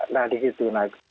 nah di situ